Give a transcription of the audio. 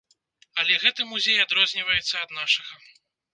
Але гэты музей адрозніваецца ад нашага.